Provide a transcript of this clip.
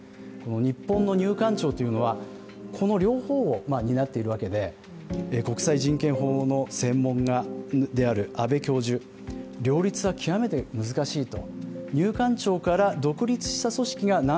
日本の入管庁というのは、この両方を担っているわけで国際人権法の専門家である阿部教授、両立は極めて難しいと。